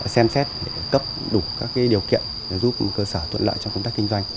xem xét để cấp đủ các điều kiện giúp cơ sở thuận lợi trong công tác kinh doanh